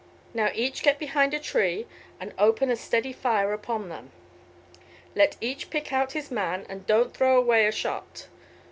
Now each get behind a tree and open a steady fire upon them. Let each pick out his man and don't throw away a shot.